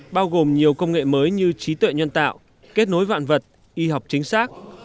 bao gồm nhiều công nghệ mới như trí tuệ nhân tạo kết nối vạn vật y học chính xác